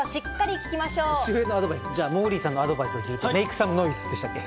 じゃあ、モーリーさんのアドバイスを聞いて、メイクサムノイズでしたっけ？